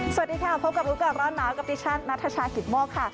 สวัสดีครับพบกับลูกการณ์ร้อนหนาวกับดิฉันณฑชาขิดมอกค่ะ